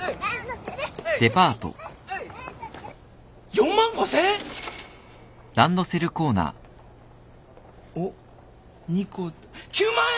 ４万５，０００円？を２個で９万円？